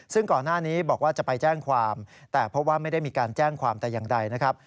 ซึ่งก่อนหน้านี้บอกว่าจะไปแจ้งความแต่เพราะว่าไม่ได้มีการแจ้งความแต่อย่างใดนะครับ